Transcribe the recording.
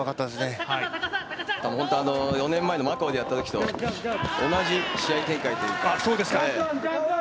４年前のマカオでやったときと同じ試合展開ですね。